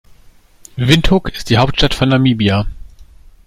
Windhoek ist die Hauptstadt von Namibia.